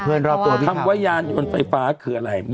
เพื่อนรอบตัวดีครับ